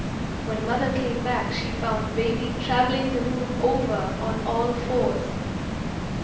When mother came back she found baby travelling the room over on all fours.